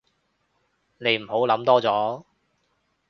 你唔好諗多咗